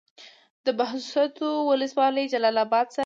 د بهسودو ولسوالۍ جلال اباد سره ده